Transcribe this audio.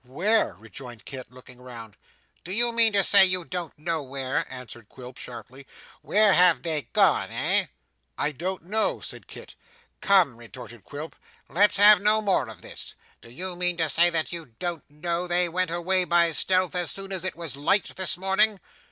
'Where?' rejoined Kit, looking round. 'Do you mean to say you don't know where?' answered Quilp sharply. 'Where have they gone, eh?' 'I don't know,' said Kit. 'Come,' retorted Quilp, 'let's have no more of this! Do you mean to say that you don't know they went away by stealth, as soon as it was light this morning?